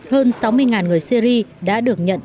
hơn sáu mươi người syri đã được nhận